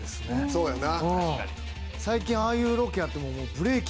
そうやな。